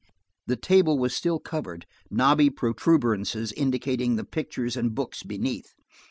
The table was still covered, knobby protuberances indicating the pictures and books beneath.